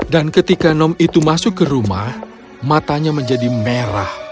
dan ketika nom itu masuk ke rumah matanya menjadi merah